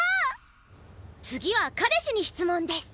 次は彼氏に質問です！